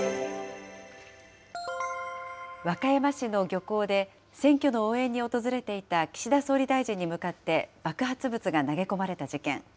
和歌山市の漁港で、選挙の応援に訪れていた岸田総理大臣に向かって爆発物が投げ込まれた事件。